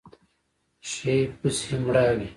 شي پسې مړاوی